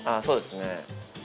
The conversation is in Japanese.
そうですね。